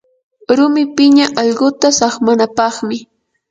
rumi piña allquta saqmanapaqmi.